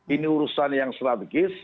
ini urusan yang strategis